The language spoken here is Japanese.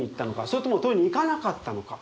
それとも盗りに行かなかったのか。